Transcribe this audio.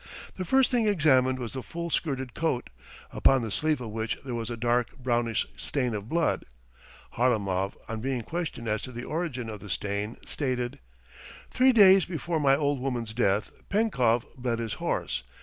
The first thing examined was the full skirted coat, upon the sleeve of which there was a dark brownish stain of blood. Harlamov on being questioned as to the origin of the stain stated: "Three days before my old woman's death Penkov bled his horse.